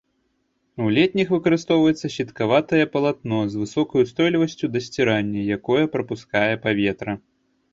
У летніх выкарыстоўваецца сеткаватае палатно, з высокай устойлівасцю да сцірання, якое прапускае паветра.